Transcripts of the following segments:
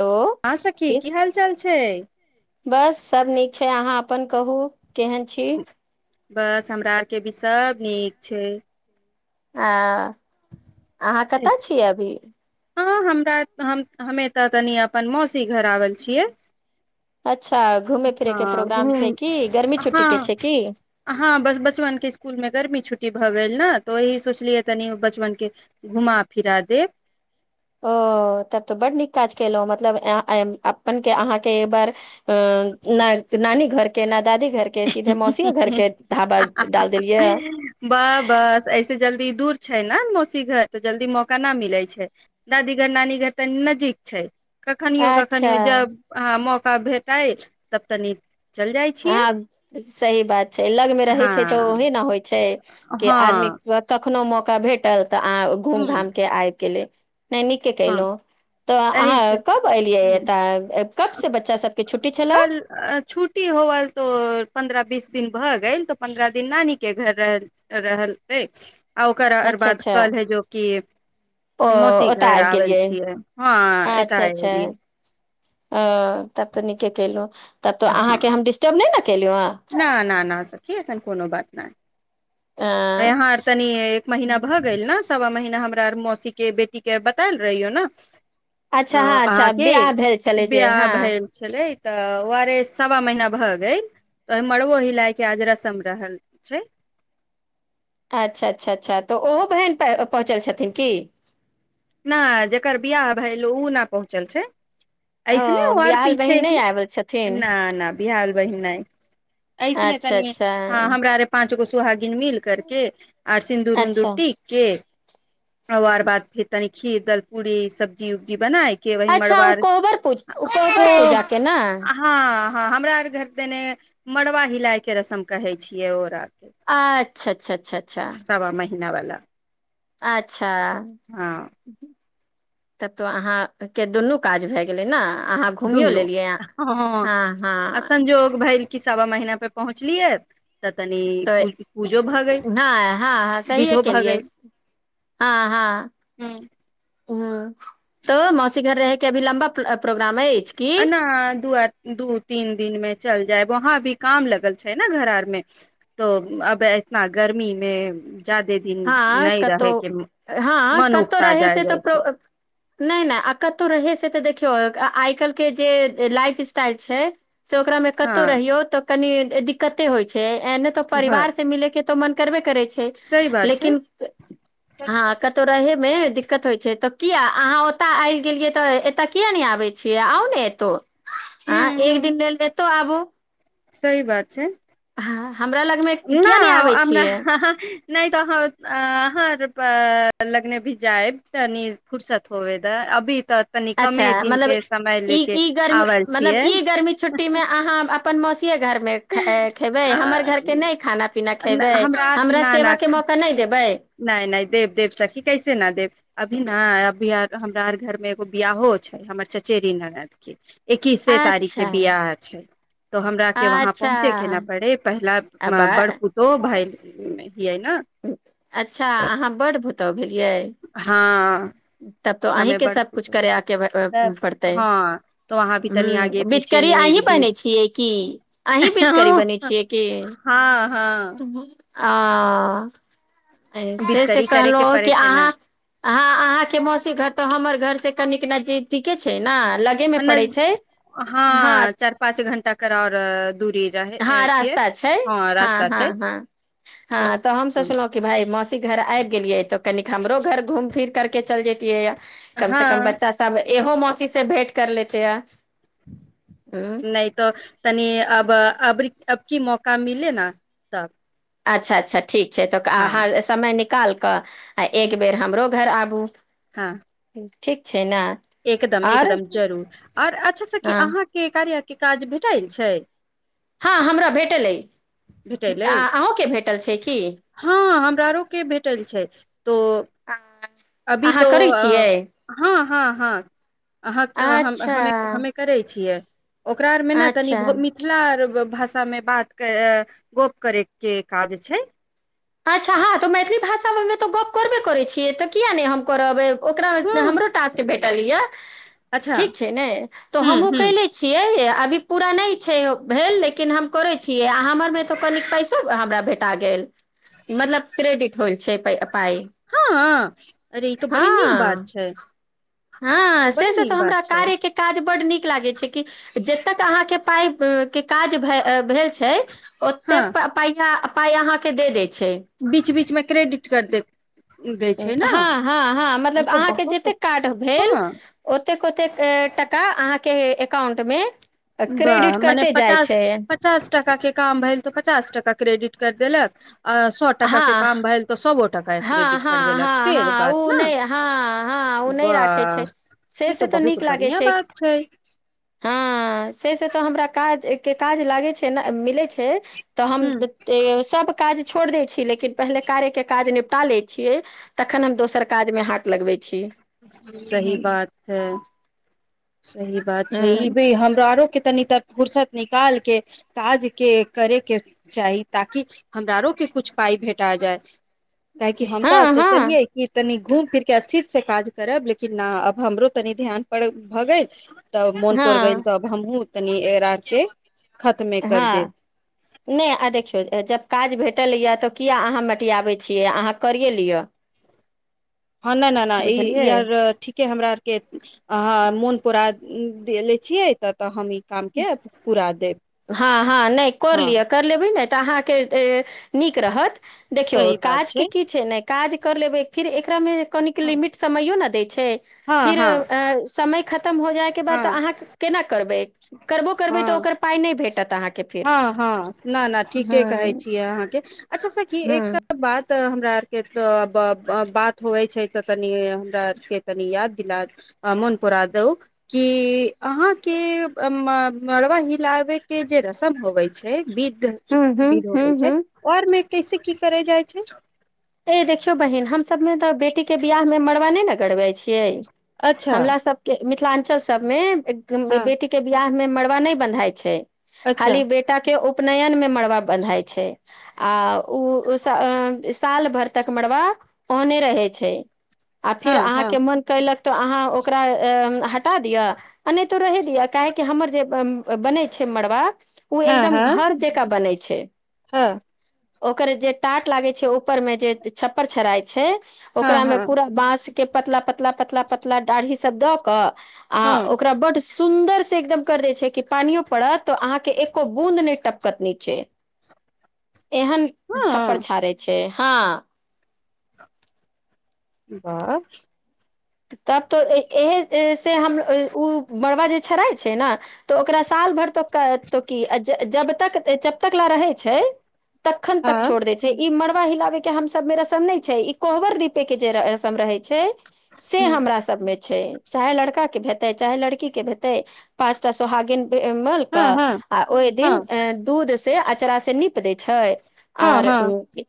hello हँ सखी की किस हाल चाल छै बस सब नीक छै अहाँ अपन कहू केहन छी बस हमरा आरके भी सभ नीक छै आ अहाँ कतय छियै अभी हँ हमरा हमे तऽ तनि अपन मौसी घर आवल छियै अच्छा घुमय फिरैके हँ प्रोग्राम छै घूम कि गर्मी हँ छुट्टीे छै कि छुट भऽ गेल ने तऽ ओही सोचलियै तनि बचपन के घुमा फिरा देब ओ तब तऽ बड नीक काज केलहुं मतलब अपन के अहाँके एक बार अ नानी घर के न दादी घर के सीधे मौसिय घर देब के ढाबा डाल देलियै वाह बस ऐसे जल्दी दूर छै ने मौसी घर तऽ जल्दी मौका न मिलै छै दादी घर नानी घर तऽ नजीक छै कखनिियो कखनो अच्छा जब अह म ा भेटइ तब तनी चलि जाइ छियै हँ सही बात लग मे रहै हँ छै तऽ ओहे ने होइ छै के हँ आदमी त कखनो मौका भेटल तऽ अह घूम हूँ घाम के आबि गेले नहि नीके हँ कलहुँ तऽ एहि अहाँ से कब एलियै हूँ एतऽ कबसँ बच्चा सबके छुट्टी छलए तऽ पन्द्रह बीस दिन भऽ गेल तऽ पन्द्रह दिन नानीके घर रहल रहलै आ ओकर अर अच्छा बाद अच्छा कल है जो की मौसीक आब गेलियै अच्छा अच्छा एलियै तब त तेल तब तो हँ अहाँके हम डिस्टर्ब नहि ने केलहुँ हँ की कोनो बात नहि अं, यहाँ आर तनी एक महीना भऽ गेल ने सवा महीना हमरा मौसी के बेटीक के बतायल रहियौ ने अच्छा हँ अच्छा अहाँके बियाह भेल छलै जे बियाह हँ भेल छलै तऽ ओ आरे सवा महीना भऽ गेल तऽ ओहि मड़बो हिलायके आज रस्म रहल छै अच्छा अच्छा अच्छा तऽ ओहो बहिन पहुँचल छथिन की नहि जकर बिियाह भाय ओ नहि पहुँचल छै ओ ऐस नहि हो बियाहल पीछे बहिन नहि ही आयल छथिन न न बिहाल बहिन न ऐस नहि अच्छा तनी अच्छा हँ हमरा अरे पाँच गो सु घिल मिल करके आर सिन्दूर अच्छा उदूर टीक के आार बाद फिर तनी खीर दल पूरी सब्जी उब्जी बनाय के वही अच्छा ओ मड़ुआर कोबर पूजा को कोबर पूजाके ने हँ हँ हमरा आर घर देने मड़वा हिलाय के रस्म कहै छियै ओ र अच्छा अच्छा अच्छा अच्छा भनावलाा अच्छा हँ तब तो अहाँके दुनू काज भए गेलै ने अहाँ घुमियो दुनू लेलियै हँ आ संजोग भेल किछु सवा महीना पे पहुँचलियै तऽ तनी पू त पूजो भऽ गेल हँ हँ हँ सहीए विधो भऽ केलिए गेल हँ हँ ह ह तो मौसी घर रहके के भी लम्बा प्रोग्राम अछि की न दू दू तीन दिन मे चल जाय वहाँ भी काम लगल छै ने घर आर मे तो अब एतना गर्मी मे जादे दिन हँ नहि रहे कतहु के हँ मन कतहु रहै उपताजा से तऽ जाइ प्रो छै नहि नहि आ कतहु रहै से तऽ देखियौ आइ काल्हिके जे लाइफ स्टाइल छै से ओकरामे हँ कतहु रहियौ तऽ कनी दिक्कते होइ छै एने तो भ परिवार से मिले के ऽ मन करबे करै छै छै सही बात छै लेकिन हँ कतहु रहैमे दिक्कत होइ छै तऽ किया अहाँ ओतअ आइब गेलियै तऽ एतय किया नइ आबै छियै आउ न हू एतहु आँ हू एक दिन लेल एतौ आबू सही बात छै हँ हमरा लगमे कििया नहि आबै छियै नहि तऽ अहाँ अहाँर लगने भी जाएब तनी फुरसत होबे दऽ अभी तऽ तनी अच्छा कमे दिन मतलब के समय ई लेके ई गर्मी आवल मतलब छियै ई गर्मी छुट्टीमे अहाँ अपन [unintelligible] खेबै हमर घरके नहि खाना पीना खेबै हमरा ना ना सेवाके मौका नहि देबै नइ नइ देब देब सखी कैसे न देब अभी ना अभी हमरा अर घर मे एगो बियाहो छै हमर चचेरी ननद के ऐक्कीसे तारीख के अच्छा बियाह छै तो हमरा के वहा अच्छा पहुँचे के न पड़े पहला आ बा बड़ पुतोह भायल [unintelligible] अच्छा अहाँ बड़ भ तोह भेल हँ [inaudible] तब तो अही हमे के बड़ सब कुछ पुतोह करेके तब पड़तै हँ तो वहाँ भी तनि ह आगे पीछे बचकरी अही नेग बनेै बिध छियै कि अही बचकरी हँ बनेै छियै की हँ आ ऐसे से बिधकरी करे के कहलहु कि पड़े के न अहाँ आहाँ अहाँ मोसी घर तऽ हमर घर से कनिक नजी दिके छै ने लगे मे पड़े नज छै हँ चार पाँच घंटा कर आओर दूरी रहे हँ छियै रास्ता छै हँ रास्ता हँ छै हँ हँ तऽ हम ह सोचलहु कि भाय मौसी घर आबि गेलियै तऽ कनिक हमरो घर घूम फिर करके चल जेैतियै यऽ कम से कम हँ बच्चा सब एहो मौसी से भेंट कर लेते या ह नइ तो तनी अब अबरी अब की मौका मिले न तब अच्छा अच्छा ठीक छै त आहाँ हँ समय नि निकाल कऽ आ एक बेेर हमरो घर आबू हँ ठीक छै ने एकदम आओर एकदम जरूर आओर अच्छह सखी हँ अहाँके कार्या के काज भेटाइल छै हँ हमरा भेटल अइ भेटल आ अइ अहूँके भेटल छै की प्रारो के भेटल छै तो अभी अहाँ तो करै छियै हँ हँ हँ अहाँ हमे अच्छा हमे हमे करै छियै ओकरा आर मे न तनि अच्छा मिथिला आर भाषामे बात क गप करैके काज छै अच्छा हँ तऽ मैथिली भाषामे तऽ गप्प करबे करै छियै तऽ किया नहि हम करबै ओकरा एते हूँ हमरो टाक्स भेटल यऽ अच्छा ठीक छै नय तऽ हूँ हमहु हूँ केयले छियै ए आब अभी पूरा नहि छै भेल लेकिन हम करै छियै आ हमरमे तऽ कनि पैसो हमरा भेटा गेल मतलब क्रेडिट [unintelligible] पाइ हँ अ अरे ई तो बड़ी नीक हँ बात छै ई हँ से बड़ी से नीक तऽ बात हमरा छै कार्य के काज बड्ड नीक लागै छै कि जतेक अहाँके पाइ के काज भेल छै हँ ओतेक पहिला पाइ आहाँ के दे देत बीच बीचमे क्रेडिट कर देब हँ हँ हँ मतलब अहाँके बहुत जतेक कार्ड भेल हँ ओतेक ओतेक टाका अहाँके एकाउंट मे क्रेडिट वाह मने करते जाइ पचास छै पचास टका के काम भेल तऽ पचास टका क्रेडिट कर देलक अ सौ टका के हँ काम भेल तऽ सौओ टका हँ क्रेडिट कर हँ देलक हँ से हँ बात ओ न नहि हँ हँ ओ नहि राखै छै वाह से ई तो से तऽ बहुत नीक लागै बढ़िया बात छै हँ से से तऽ हमरा काज के काज लागै छै न मिलै छै तऽ हम ह जेते सब काज छोड़ि दै छी लेकिन पहिले कार्यके काज निपटा लै छियै तखन हम दोसर काज मे हाथ लगबै छी सही हँ बात हइ सही बात छै ई हँ भी हमरा आरो कते निक तऽ फर्सत निकालके काजके करैके चाही ताकि हमरा आरोके किछु पाइ भेटा जाय काहेकि हम तऽ हँ सोचलियै कि तनी घूम फिर के अस्थिर से काज करब लेकिन ना आब हमरो तनि ध्यान पर भऽ गेल तब मोन प गेल हँ तब हमहहुँ तनी एरा के खतमे कर देब हँ नहि आ देखियौ जब काज भेटल यए तऽ किया अहाँ मटियाबै छियै अहाँ करिए लिअ हँ नहि नहि नहि ई ई बुझलियै आर ठीके हमरा आरके अ मोन पुरा देले छियै त तऽ हम कामके पूरा देब हँ हँ नहि कर हँ लियअ कर ले तऽ अहाँके नीक रहत देखियौ सही बात काजके की छै ने काज कर लेबै फिर एकरामे कनिक हँ लिमिट समयो ना देय छै हँ फिर हँ समय खत्म हो जाइके बाद हँ अहाँ केना करबै करबो करबै तऽ हँ ओकर नहि भेटत अहाँके फिर हँ हँ नहि नहि हँ ठीके कहै छियै अहाँके ए सब से की हँ एकटा बात तऽ हमरा आरके तऽ बात होइ छै तऽ तनि हमरा आरके तनि याद दिला मोन पुरा दो कि अहाँके मड़बा हिलाबैके जे रस्म होबै छै बिध विध हूँ हूँ हूँ होबै छै हूँ और मे तैसे की करय जाइ छै ए देखियौ बहिन हम सबमे तऽ बेटीक के बिियाह मे मरबाने ने गड़बै अछि छै अच्छा हमरा सबके मिथिलाञ बच्चा सब मे एक हँ बेटी के बियाह मे मड़बा नहि बन्धाइ छै अच्छा खाली बेटा के उप उपनयनमे मड़बा बन्धहाइ छै आ ओ साल भर तक मडवा ओने रहै छै आ फिर हँ हँ अहाँके मोन कयलक अ ओकरा ह काहेकि हमर जे ओ बनै छै मड़बा ओ हँ एकदम हँ घर जकाँ बनै छै हँ ओकर जे टाट लागै छै ओ मे जे छपर छराय हँ ओकरा हँ मे पूरा बाँस के पतला पता पतला पतला पतला दाढ़ी सब दऽ कऽ आ हँ ओकरा बड्ड सुन्दर से एकदम कर दै छै कि पानियो पड़त तऽ अहाँके एको बूद नहि टपकत नी छैे एहन छप्पर हँ छाड़े छी हँ बाह तब तऽ ए से हम ओ मड़बा जे छड़ाइ छै ने तऽ ओकरा साल भरि तो त की जब तक जब तक ल रहै छै तखन तक हँ छोड़ दै छै ई मर ा हिलाबे के हम सब मे रसम न छै ई कोहबर रीपे के जे रसम रहे छै से हँ हमरा सब मे छै चाहे लड़का के हेतै चाहे लड़की के हेतै पाचटा सोहागिन मल के हँ हँ आ ओहि दिन हँ दूध से अचारा से नीप देय छै छै हँ हँ आर उ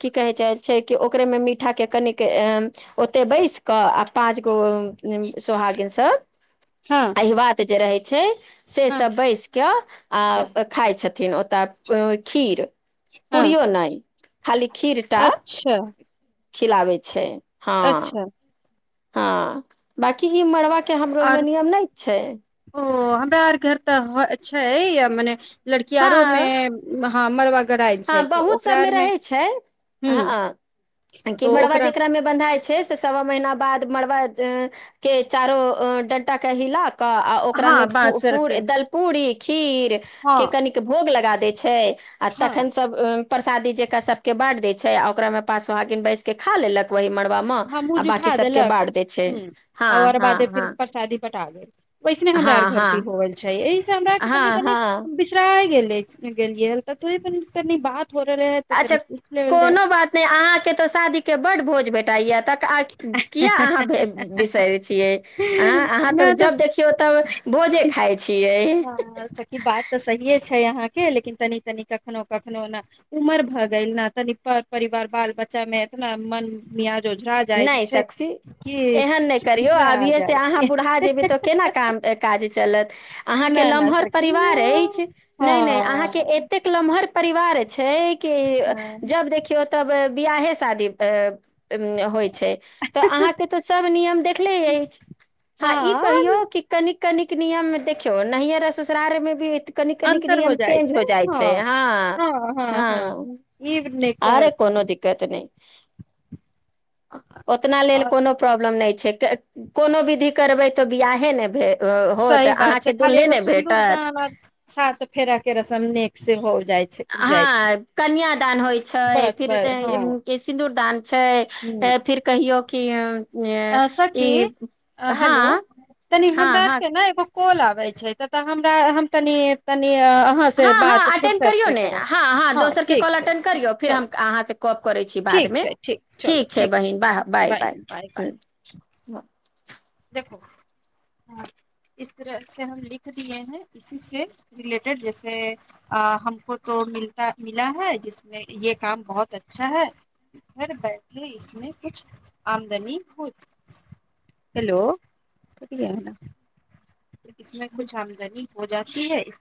की कहे जा छै कि ओकरे में मीठा के कनिक ओते बैस क आ पाँच गो सोहागिनसँ हँ अहि ब त ज रहै छै से हँ सब बैस क्य आ खाइ छथिन ओतय खीर हँ पुड़ीओ नई खाली क्षीरटा अच्छा खिलाबै छै हँ अच्छा हँ बकि ही मरब के हमरोगमे आर नियम नहि छै ओ हमरा आर घर तऽ छै मने हँ लड़कियारो मे हँ मरबक हँ बहुत सभमे रहैत छै ह हँ कि तो मड़बा ओकरा जेकरामे बन्धाइ छै से सवा महीना बाद मड़बा के चारो डंटाा क हिल आ हँ ओकरामे बाँसर के दलपूड़ी ठीक हँ के कन भोग लगा दै छै आ हँ तखन सबकें प्रसादी जेका सबके बैन्ट दे छै आ ओकरा मे पाँचह गिन बैस के खा लेलक उहि पर हँ मुँह आ बांकी जुठा सबके देलक बाँट दे छै हँ हँ हँ कटा देे वैसने हमरार घर परी होल छैा हमरा तनि हाँ तनि हाँ बिसरा गेल गेलिय थोड़े तनि बात हो रहले है तऽ अच्छा तनी पूछि लेवल जाय कोनो बात नहि अहाँके तऽ शादीके बड्ड भोज भेटाइए तऽ किया अहाँ बिसर छियै अ आ अहाँ त नहि जब तऽ देखियौ तब भोजे खााय छियै हँ सखी बात तऽ सही छै छै यहाँ के लेकिन तनी तनि कखनो कखनो ने उमर भ गेल ने तनि पर परिवार बाल बच्चा में एतना मन मियाज ओझरा जाइ नहि छै सखी कि एहन नहि करियौ बिसरा अभिय से जाइ अहाँ छै बुढ़ा जेबै तऽ केना काम काज चलत न अहाँके न लमहर सखी परिवार अछि नहि नहि अहाँके हँ एतेक लमहर परिवार अछि छै कि हँ जब देखियौ तब विआहे शादीकें होइ छै तऽ अहाँके तऽ सब नियम देखले अछि हँ ई कहियौ कि कन कनिक नियममे देखियौ नैहर ससुरार मे भी कन कनिक नियम चेंज हो जाइ छै हँ हँ ई नहि अरे कहल कोनो दिक्कत नहि ओतना लेल और कोनो प्रॉब्लम नहि कोनो विधि करबै तऽ बियाहे ने भेल सही बात छै खाली एगो सुिन्दूर दानर साथ फेरा के रसम ने से हो जाइ छै जाइ छै, हँ कन्यादान होइ छै बस फिर बस हँ सिंदूरदान छै हूँ फिर कहियौ कि अ सखी हँ हेलो तनी हमरा हँ हँ आरके ने एगो कोल आबै छै तऽ हमरा तनि अहाँ से हँ बात हँ अटेंड फुर्सत करियौ से ने करब हँ हँ दोसरके ठीक कॉें छै करियौर हम चलू क करै छी बादमे ठीक छै बहिन बाह बाय बाय ह हँ देख ह इस तरह से हम लिख दए है इसी से रिलेटेड जैसे हमको तो मता मिला है जिसमे ये काम बहुत अच्छा है घर बैठे इसमे कुछ आमदनी होत हेलो क इसमे खुछ आमदनी हो जाी ह इस